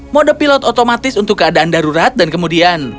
mode pilot otomatis untuk keadaan darurat dan kemudian